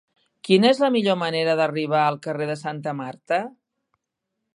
Quina és la millor manera d'arribar al carrer de Santa Marta?